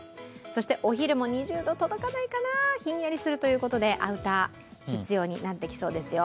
そしてお昼も２０度届かないかな、ひんやりするということでアウター必要になってきそうですよ。